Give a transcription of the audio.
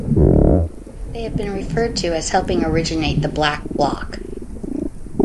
They have been referred to as helping originate the Black Bloc.